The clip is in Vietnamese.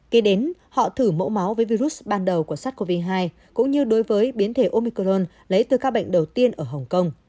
kế đến họ thử mẫu máu với virus ban đầu của sars cov hai cũng như đối với biến thể omicron lấy từ ca bệnh đầu tiên ở hồng kông